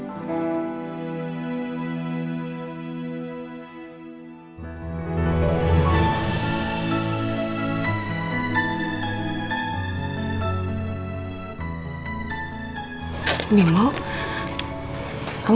aku harus bisa menyingkirkan kohar